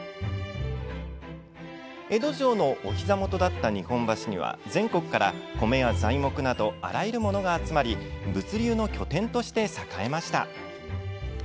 江戸城のおひざ元だった日本橋には全国から米や材木などあらゆるものが集まり物流の拠点として栄えました。